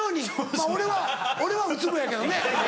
まぁ俺はウツボやけどね。